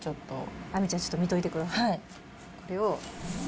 亜美ちゃん、ちょっと見といてください。